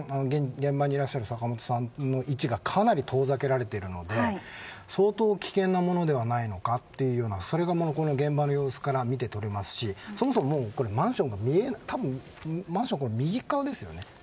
現場にいらっしゃる方の位置がかなり遠ざけられているので相当、危険なものではないかというそれが現場の様子から見て取れますしそもそもマンションが右側ですよね。